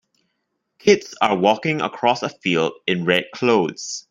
kids are walking across a field in red clothes.